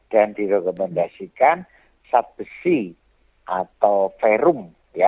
dan direkomendasikan sapsi atau ferum